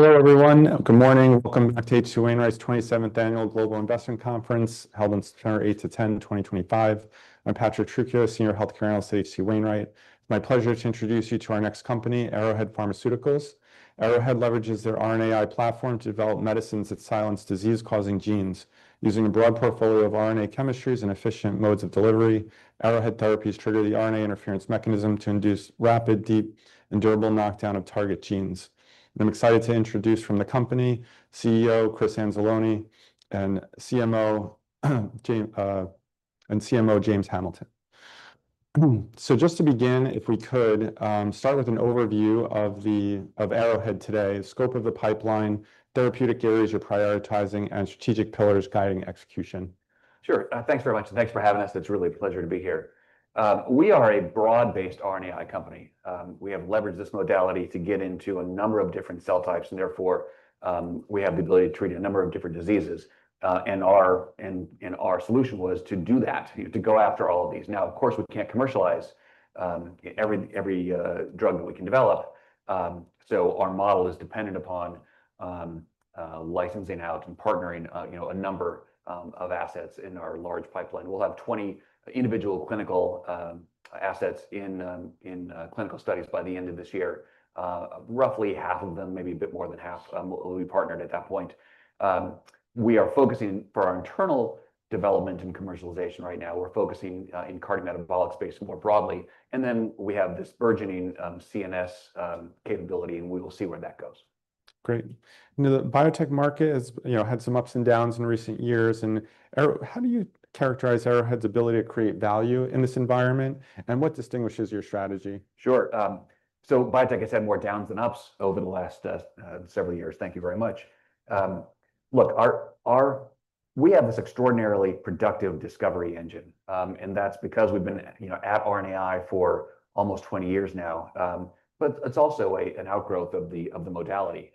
Hello, everyone. Good morning. Welcome back to H.C. Wainwright's 27th Annual Global Investment Conference held on September 8th to 10th, 2025. I'm Patrick Trucchio, Senior Healthcare Analyst at H.C. Wainwright. It's my pleasure to introduce you to our next company, Arrowhead Pharmaceuticals. Arrowhead leverages their RNAi platform to develop medicines that silence disease-causing genes. Using a broad portfolio of RNA chemistries and efficient modes of delivery, Arrowhead therapies trigger the RNA interference mechanism to induce rapid, deep, and durable knockdown of target genes, and I'm excited to introduce from the company, CEO Chris Anzalone and CMO James Hamilton, so just to begin, if we could start with an overview of Arrowhead today, the scope of the pipeline, therapeutic areas you're prioritizing, and strategic pillars guiding execution. Sure. Thanks very much. Thanks for having us. It's really a pleasure to be here. We are a broad-based RNAi company. We have leveraged this modality to get into a number of different cell types, and therefore we have the ability to treat a number of different diseases. And our solution was to do that, to go after all of these. Now, of course, we can't commercialize every drug that we can develop. So our model is dependent upon licensing out and partnering a number of assets in our large pipeline. We'll have 20 individual clinical assets in clinical studies by the end of this year. Roughly half of them, maybe a bit more than half, will be partnered at that point. We are focusing for our internal development and commercialization right now. We're focusing in cardiometabolic space more broadly. And then we have this burgeoning CNS capability, and we will see where that goes. Great. The biotech market has had some ups and downs in recent years. And how do you characterize Arrowhead's ability to create value in this environment, and what distinguishes your strategy? Sure. So biotech, I said, more downs than ups over the last several years. Thank you very much. Look, we have this extraordinarily productive discovery engine, and that's because we've been at RNAi for almost 20 years now. But it's also an outgrowth of the modality.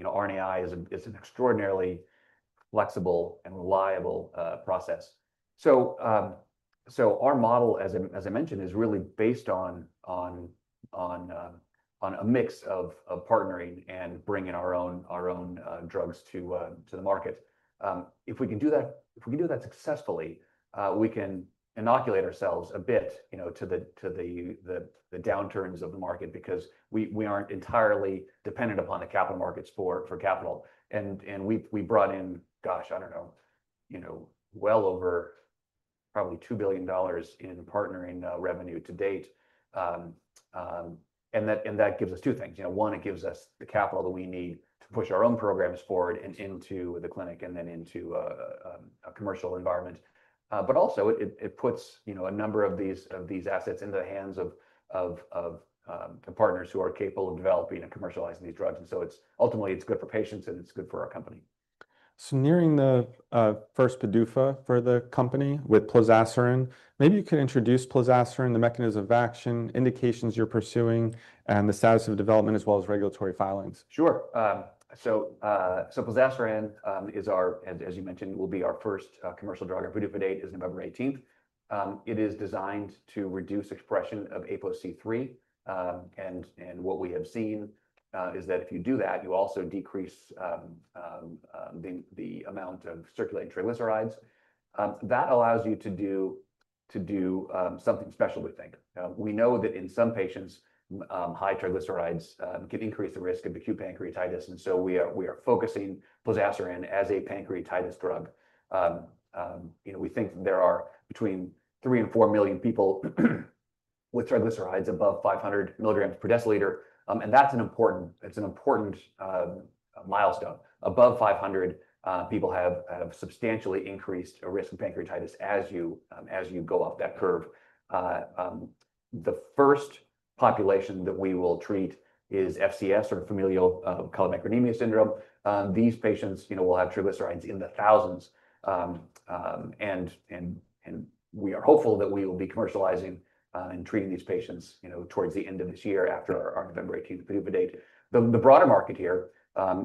RNAi is an extraordinarily flexible and reliable process. So our model, as I mentioned, is really based on a mix of partnering and bringing our own drugs to the market. If we can do that, if we can do that successfully, we can inoculate ourselves a bit to the downturns of the market because we aren't entirely dependent upon the capital markets for capital. And we brought in, gosh, I don't know, well over probably $2 billion in partnering revenue to date. And that gives us two things. One, it gives us the capital that we need to push our own programs forward and into the clinic and then into a commercial environment. But also, it puts a number of these assets into the hands of partners who are capable of developing and commercializing these drugs. And so ultimately, it's good for patients and it's good for our company. Nearing the first PDUFA for the company with plozasiran. Maybe you could introduce plozasiran, the mechanism of action, indications you're pursuing, and the status of development as well as regulatory filings. Sure. So plozasiran, as you mentioned, will be our first commercial drug. Our PDUFA date is November 18th. It is designed to reduce expression of APOC3. And what we have seen is that if you do that, you also decrease the amount of circulating triglycerides. That allows you to do something special, we think. We know that in some patients, high triglycerides can increase the risk of acute pancreatitis. And so we are focusing plozasiran as a pancreatitis drug. We think there are between three and four million people with triglycerides above 500 mg/dL. And that's an important milestone. Above 500 mg/dL, people have substantially increased risk of pancreatitis as you go off that curve. The first population that we will treat is FCS, or Familial Chylomicronemia Syndrome. These patients will have triglycerides in the thousands. We are hopeful that we will be commercializing and treating these patients towards the end of this year after our November 18th PDUFA date. The broader market here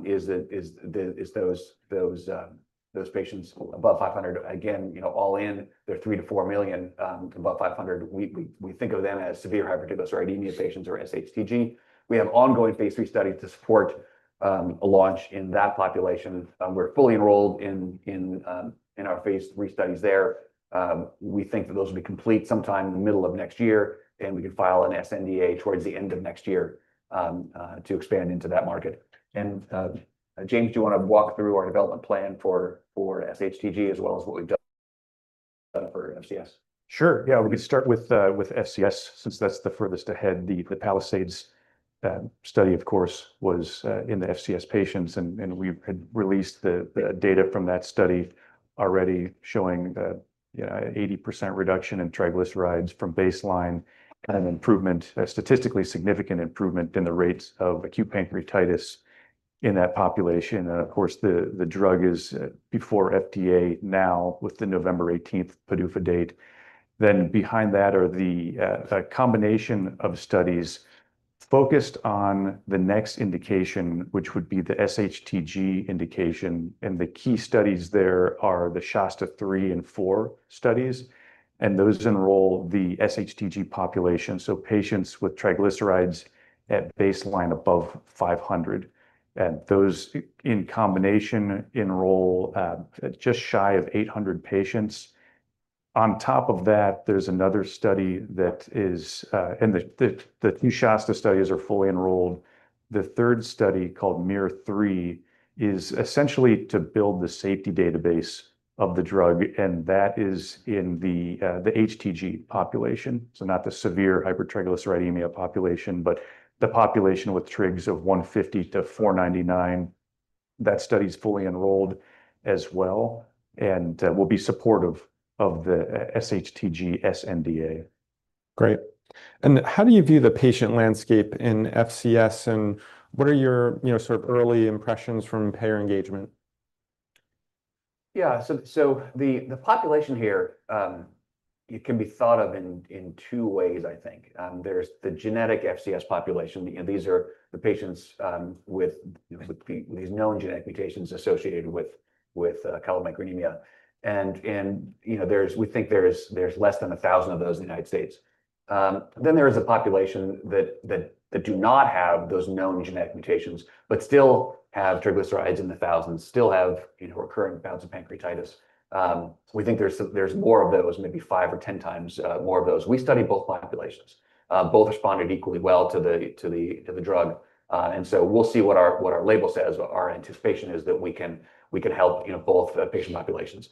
is those patients above 500 mg/dL. Again, all in, they're three to four million above 500 mg/dL. We think of them as severe hypertriglyceridemia patients or SHTG. We have ongoing phase III studies to support a launch in that population. We're fully enrolled in our phase III studies there. We think that those will be complete sometime in the middle of next year, and we can file an SNDA towards the end of next year to expand into that market. James, do you want to walk through our development plan for SHTG as well as what we've done for FCS? Sure. Yeah, we could start with FCS since that's the furthest ahead. The PALISADE study, of course, was in the FCS patients, and we had released the data from that study already showing an 80% reduction in triglycerides from baseline and a statistically significant improvement in the rates of acute pancreatitis in that population, and of course, the drug is before FDA now with the November 18th PDUFA date, then behind that are the combination of studies focused on the next indication, which would be the SHTG indication, and the key studies there are the SHASTA-3 and SHASTA-4 studies, and those enroll the SHTG population, so patients with triglycerides at baseline above 500 mg/dL, and those in combination enroll just shy of 800 patients. On top of that, there's another study that is, and the two SHASTA studies are fully enrolled. The third study called MUIR-3 is essentially to build the safety database of the drug, and that is in the HTG population, so not the severe hypertriglyceridemia population, but the population with trigs of 150 mg/dL to 499 mg/dL. That study is fully enrolled as well and will be supportive of the SHTG SNDA. Great. And how do you view the patient landscape in FCS, and what are your sort of early impressions from payer engagement? Yeah. So the population here can be thought of in two ways, I think. There's the genetic FCS population. These are the patients with these known genetic mutations associated with chylomicronemia. And we think there's less than a thousand of those in the United States. Then there is a population that do not have those known genetic mutations, but still have triglycerides in the thousands, still have recurring bouts of pancreatitis. We think there's more of those, maybe five or 10 times more of those. We study both populations. Both responded equally well to the drug. And so we'll see what our label says. Our anticipation is that we can help both patient populations.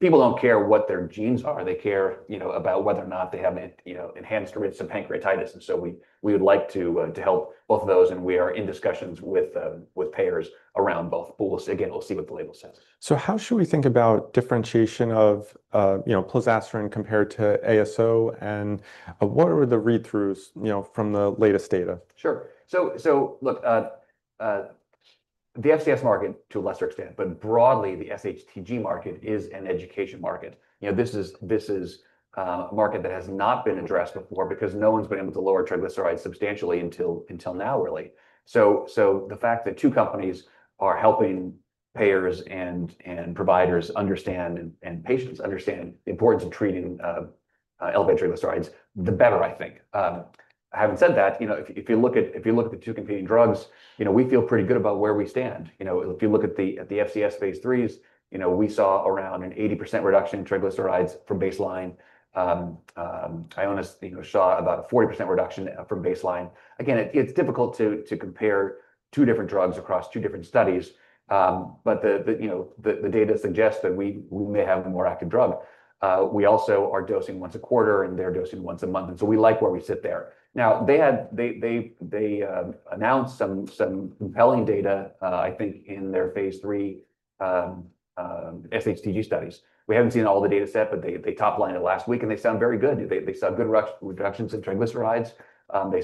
People don't care what their genes are. They care about whether or not they have enhanced risk of pancreatitis, and so we would like to help both of those, and we are in discussions with payers around both. We'll see what the label says. How should we think about differentiation of plozasiran compared to ASO, and what are the read-throughs from the latest data? Sure. So look, the FCS market to a lesser extent, but broadly, the SHTG market is an education market. This is a market that has not been addressed before because no one's been able to lower triglycerides substantially until now, really. So the fact that two companies are helping payers and providers understand and patients understand the importance of treating elevated triglycerides, the better, I think. Having said that, if you look at the two competing drugs, we feel pretty good about where we stand. If you look at the FCS phase III's, we saw around an 80% reduction in triglycerides from baseline. Ionis saw about a 40% reduction from baseline. Again, it's difficult to compare two different drugs across two different studies, but the data suggests that we may have a more active drug. We also are dosing once a quarter, and they're dosing once a month. And so we like where we sit there. Now, they announced some compelling data, I think, in their phase III SHTG studies. We haven't seen all the data set, but they toplined it last week, and they sound very good. They saw good reductions in triglycerides. They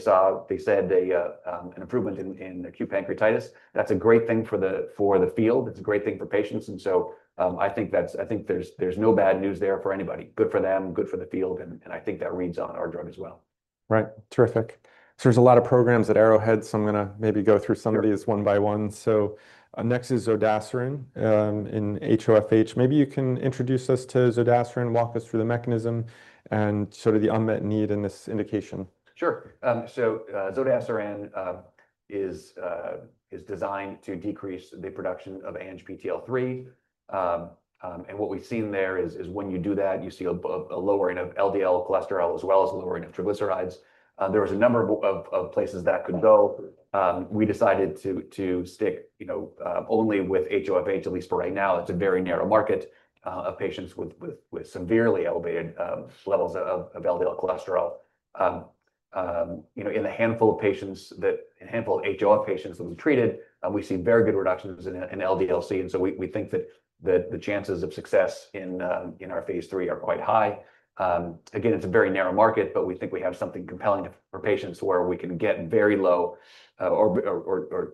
said an improvement in acute pancreatitis. That's a great thing for the field. It's a great thing for patients. And so I think there's no bad news there for anybody. Good for them, good for the field, and I think that reads on our drug as well. Right. Terrific. So there's a lot of programs at Arrowhead, so I'm going to maybe go through some of these one by one. So next is zodasiran in HoFH. Maybe you can introduce us to zodasiran, walk us through the mechanism, and sort of the unmet need in this indication. Sure. So zodasiran is designed to decrease the production of ANGPTL3. And what we've seen there is when you do that, you see a lowering of LDL cholesterol as well as a lowering of triglycerides. There was a number of places that could go. We decided to stick only with HoFH, at least for right now. It's a very narrow market of patients with severely elevated levels of LDL cholesterol. In the handful of patients, a handful of HoF patients that we treated, we see very good reductions in LDL-C. And so we think that the chances of success in our phase three are quite high. Again, it's a very narrow market, but we think we have something compelling for patients where we can get very low or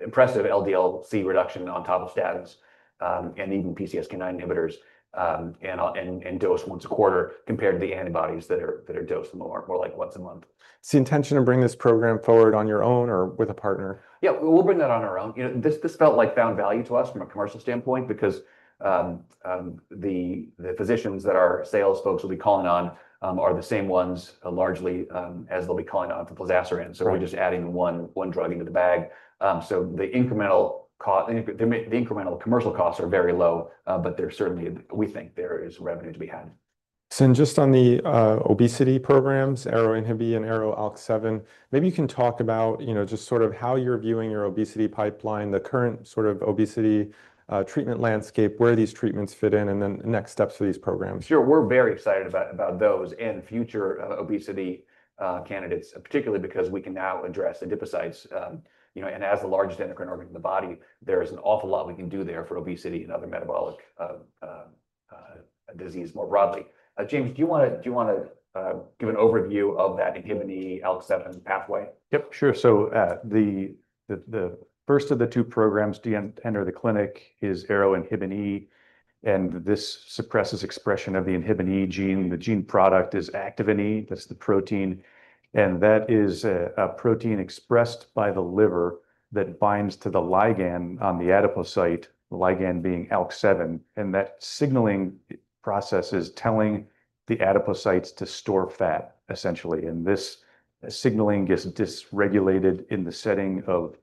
impressive LDL-C reduction on top of statins and even PCSK9 inhibitors and dose once a quarter compared to the antibodies that are dosed more like once a month. Is the intention to bring this program forward on your own or with a partner? Yeah, we'll bring that on our own. This felt like found value to us from a commercial standpoint because the physicians that our sales folks will be calling on are the same ones largely as they'll be calling on for plozasiran. So we're just adding one drug into the bag. So the incremental commercial costs are very low, but we think there is revenue to be had. Just on the obesity programs, ARO-INHBE and ARO-ALK7, maybe you can talk about just sort of how you're viewing your obesity pipeline, the current sort of obesity treatment landscape, where these treatments fit in, and then next steps for these programs. Sure. We're very excited about those and future obesity candidates, particularly because we can now address adipocytes, and as the largest endocrine organ in the body, there is an awful lot we can do there for obesity and other metabolic disease more broadly. James, do you want to give an overview of that INHBE ALK7 pathway? Yep, sure. So the first of the two programs to enter the clinic is ARO-INHBE. And this suppresses expression of the Inhibin E gene. The gene product is Activin E. That's the protein. And that is a protein expressed by the liver that binds to the ligand on the adipocyte, ligand being ALK7. And that signaling process is telling the adipocytes to store fat, essentially. And this signaling gets dysregulated in the setting of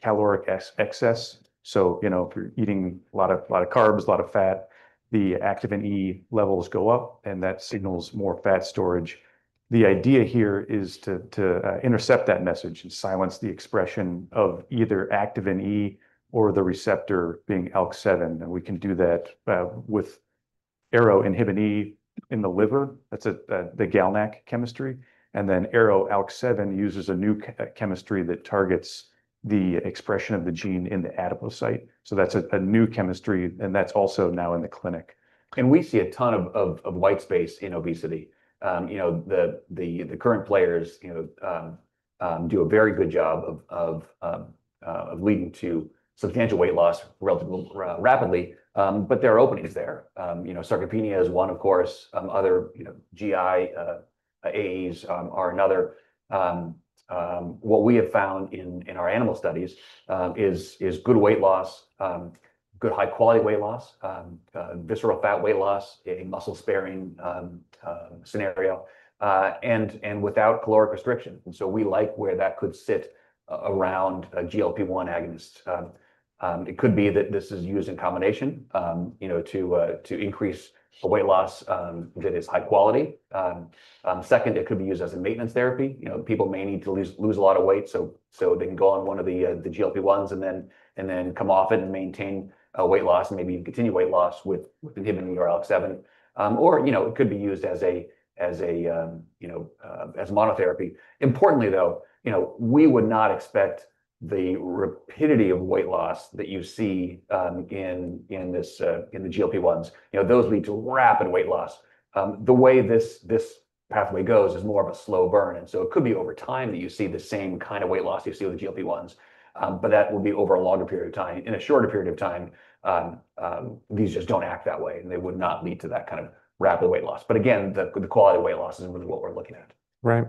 caloric excess. So if you're eating a lot of carbs, a lot of fat, the Activin E levels go up, and that signals more fat storage. The idea here is to intercept that message and silence the expression of either Activin E or the receptor being ALK7. And we can do that with ARO-INHBE in the liver. That's the GalNAc chemistry. And then ARO-ALK7 uses a new chemistry that targets the expression of the gene in the adipocyte. So that's a new chemistry, and that's also now in the clinic. And we see a ton of white space in obesity. The current players do a very good job of leading to substantial weight loss relatively rapidly, but there are openings there. Sarcopenia is one, of course. Other GI AEs are another. What we have found in our animal studies is good weight loss, good high-quality weight loss, visceral fat weight loss, a muscle-sparing scenario, and without caloric restriction. And so we like where that could sit around GLP-1 agonists. It could be that this is used in combination to increase weight loss that is high quality. Second, it could be used as a maintenance therapy. People may need to lose a lot of weight, so they can go on one of the GLP-1s and then come off it and maintain weight loss, maybe continue weight loss with Inhibin E or ALK7 or it could be used as a monotherapy. Importantly, though, we would not expect the rapidity of weight loss that you see in the GLP-1s. Those lead to rapid weight loss. The way this pathway goes is more of a slow burn, and so it could be over time that you see the same kind of weight loss you see with the GLP-1s, but that will be over a longer period of time. In a shorter period of time, these just don't act that way, and they would not lead to that kind of rapid weight loss, but again, the quality of weight loss is what we're looking at. Right.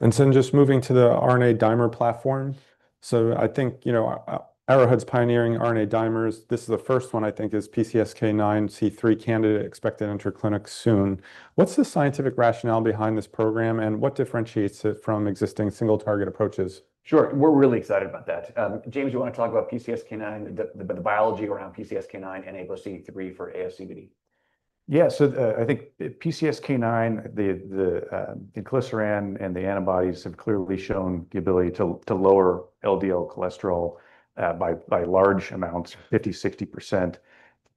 And so just moving to the RNA dimer platform. So I think Arrowhead's pioneering RNA dimers. This is the first one, I think, is PCSK9 APOC3 candidate expected to enter clinics soon. What's the scientific rationale behind this program, and what differentiates it from existing single-target approaches? Sure. We're really excited about that. James, do you want to talk about PCSK9, the biology around PCSK9 and APOC3 for ASCVD? Yeah. So I think PCSK9, the statins and the antibodies have clearly shown the ability to lower LDL cholesterol by large amounts, 50%, 60%.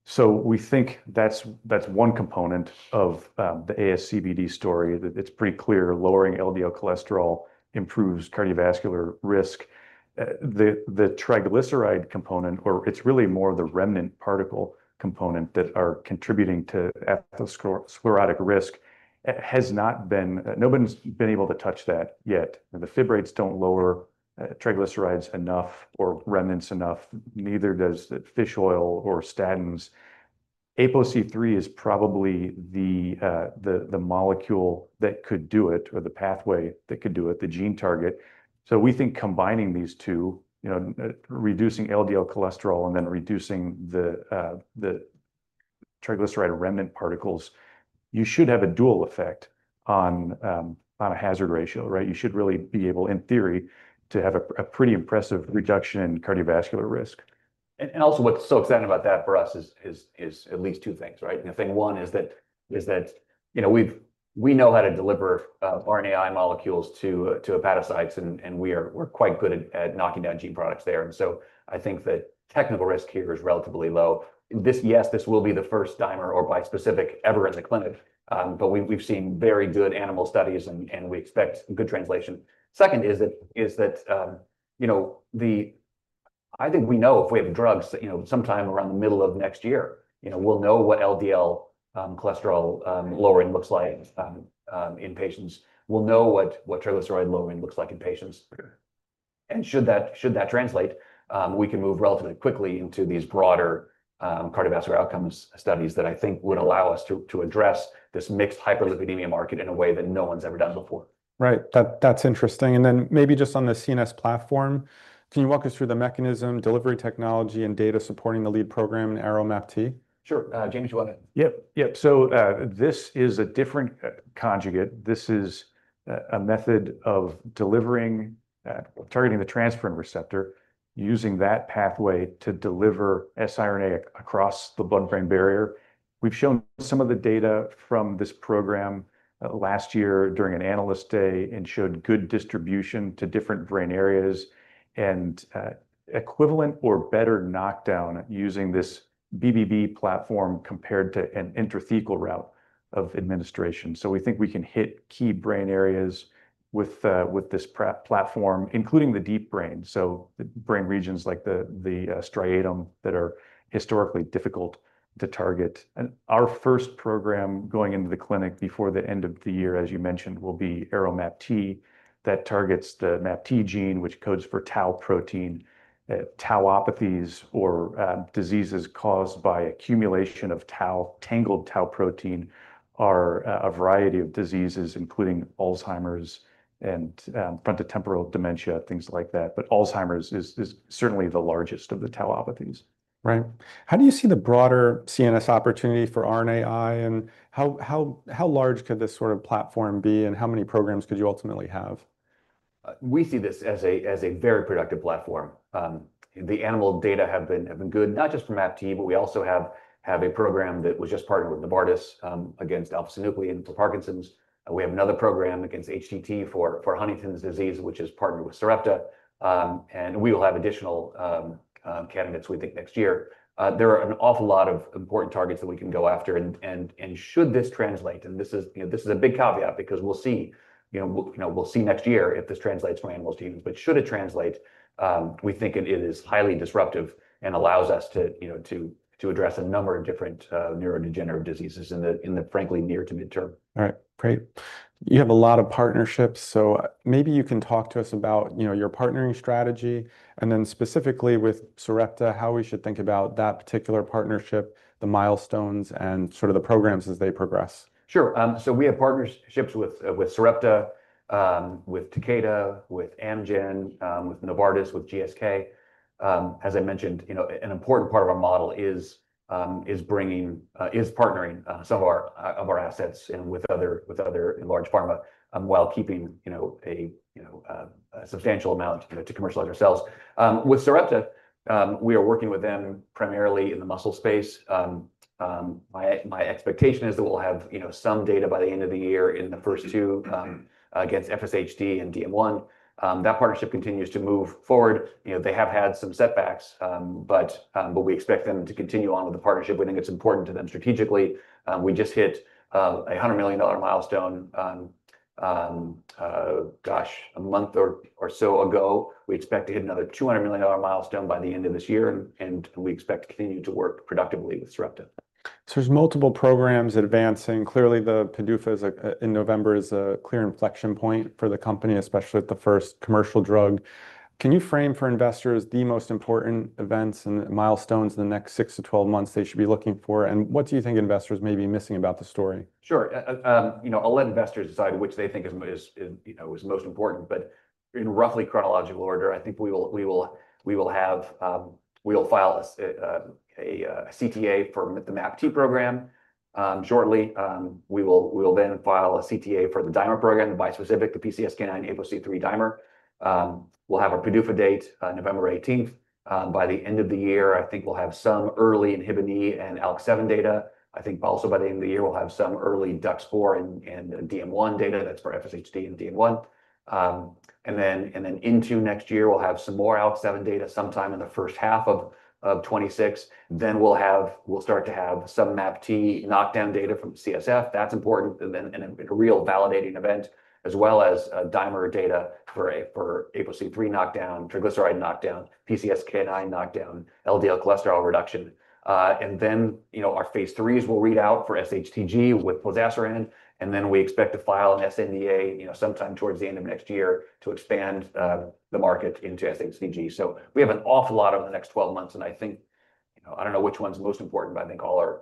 So we think that's one component of the ASCVD story. It's pretty clear lowering LDL cholesterol improves cardiovascular risk. The triglyceride component, or it's really more the remnant particle component that are contributing to atherosclerotic risk, has not been. Nobody's been able to touch that yet. The fibrates don't lower triglycerides enough or remnants enough. Neither does the fish oil or statins. APOC3 is probably the molecule that could do it or the pathway that could do it, the gene target. So we think combining these two, reducing LDL cholesterol and then reducing the triglyceride remnant particles, you should have a dual effect on a hazard ratio, right? You should really be able, in theory, to have a pretty impressive reduction in cardiovascular risk. And also, what's so exciting about that for us is at least two things, right? I think one is that we know how to deliver RNAi molecules to hepatocytes, and we're quite good at knocking down gene products there. And so I think the technical risk here is relatively low. Yes, this will be the first dimer or bispecific ever in the clinic, but we've seen very good animal studies, and we expect good translation. Second is that I think we know if we have drugs sometime around the middle of next year, we'll know what LDL cholesterol lowering looks like in patients. We'll know what triglyceride lowering looks like in patients. And should that translate, we can move relatively quickly into these broader cardiovascular outcomes studies that I think would allow us to address this mixed hyperlipidemia market in a way that no one's ever done before. Right. That's interesting. And then maybe just on the CNS platform, can you walk us through the mechanism, delivery technology, and data supporting the lead program in ARO-MAPT? Sure. James, do you want to? Yep. Yep. So this is a different conjugate. This is a method of delivering, targeting the transferrin receptor, using that pathway to deliver siRNA across the blood-brain barrier. We've shown some of the data from this program last year during an analyst day and showed good distribution to different brain areas and equivalent or better knockdown using this BBB platform compared to an intrathecal route of administration. So we think we can hit key brain areas with this platform, including the deep brain, so brain regions like the striatum that are historically difficult to target. Our first program going into the clinic before the end of the year, as you mentioned, will be ARO-MAPT. That targets the MAPT gene, which codes for tau protein. Tauopathies or diseases caused by accumulation of tau, tangled tau protein, are a variety of diseases, including Alzheimer's and frontotemporal dementia, things like that. But Alzheimer's is certainly the largest of the tauopathies. Right. How do you see the broader CNS opportunity for RNAi? And how large could this sort of platform be, and how many programs could you ultimately have? We see this as a very productive platform. The animal data have been good, not just for MAPT, but we also have a program that was just partnered with Novartis against alpha-synuclein for Parkinson's. We have another program against HTT for Huntington's disease, which is partnered with Sarepta, and we will have additional candidates, we think, next year. There are an awful lot of important targets that we can go after, and should this translate, and this is a big caveat because we'll see. We'll see next year if this translates from animals to humans, but should it translate, we think it is highly disruptive and allows us to address a number of different neurodegenerative diseases in the, frankly, near to midterm. All right. Great. You have a lot of partnerships. So maybe you can talk to us about your partnering strategy and then specifically with Sarepta, how we should think about that particular partnership, the milestones, and sort of the programs as they progress. Sure. So we have partnerships with Sarepta, with Takeda, with Amgen, with Novartis, with GSK. As I mentioned, an important part of our model is partnering some of our assets with other large pharma while keeping a substantial amount to commercialize ourselves. With Sarepta, we are working with them primarily in the muscle space. My expectation is that we'll have some data by the end of the year in the first two against FSHD and DM1. That partnership continues to move forward. They have had some setbacks, but we expect them to continue on with the partnership. We think it's important to them strategically. We just hit a $100 million milestone, gosh, a month or so ago. We expect to hit another $200 million milestone by the end of this year. And we expect to continue to work productively with Sarepta. There's multiple programs that are advancing. Clearly, the PDUFA in November is a clear inflection point for the company, especially at the first commercial drug. Can you frame for investors the most important events and milestones in the next six to 12 months they should be looking for? And what do you think investors may be missing about the story? Sure. I'll let investors decide which they think is most important. But in roughly chronological order, I think we'll file a CTA for the MAPT program shortly. We will then file a CTA for the dimer program, the bispecific, the PCSK9 APOC3 dimer. We'll have our PDUFA date November 18th. By the end of the year, I think we'll have some early Inhibin E and Alc7 data. I think also by the end of the year, we'll have some early DUX4 and DM1 data. That's for FSHD and DM1. And then into next year, we'll have some more Alc7 data sometime in the first half of 2026. Then we'll start to have some MAPT knockdown data from CSF. That's important and a real validating event, as well as dimer data for APOC3 knockdown, triglyceride knockdown, PCSK9 knockdown, LDL cholesterol reduction. And then our phase 3s will read out for SHTG with plozasiran. And then we expect to file an SNDA sometime towards the end of next year to expand the market into SHTG. So we have an awful lot over the next 12 months. And I think I don't know which one's most important, but I think all.